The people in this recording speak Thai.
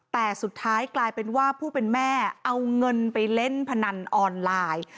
แต่สุดท้ายกลายเป็นว่าผู้เป็นแม่เอาเงินไปเล่นพนันออนไลน์